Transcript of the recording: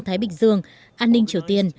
thái bình dương an ninh triều tiên